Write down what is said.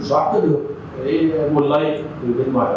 kiểm soát cho được cái nguồn lây từ bên ngoài đó